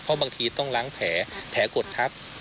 เพราะบางทีต้องล้างแผลกดทับ